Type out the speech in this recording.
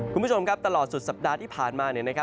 คุณผู้ชมครับตลอดสุดสัปดาห์ที่ผ่านมา